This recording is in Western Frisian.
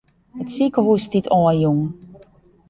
It sikehús stiet oanjûn.